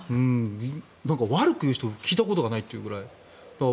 悪く言う人聞いたことないぐらい。